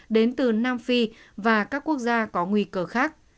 đến từ nam phi và các quốc gia có nguy cơ khác